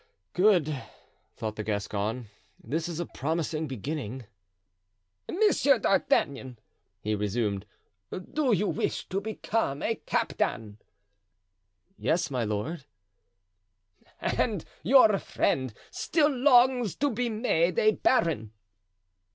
"Good," thought the Gascon, "this is a promising beginning." "Monsieur d'Artagnan," he resumed, "do you wish to become a captain?" "Yes, my lord." "And your friend still longs to be made a baron?"